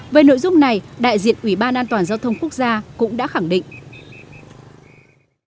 về nội dung này đại diện ủy ban an toàn giao thông quốc gia cũng đã khẳng định